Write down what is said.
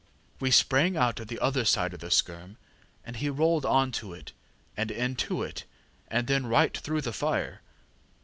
We sprang out of the other side of the ŌĆśskerm, ŌĆÖ and he rolled on to it and into it and then right through the fire.